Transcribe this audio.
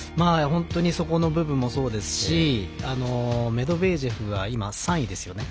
本当にそこの部分もそうですしメドベージェフが今３位ですよね。